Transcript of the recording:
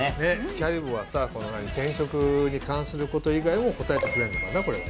キャリボはさ転職に関すること以外も答えてくれるのかな？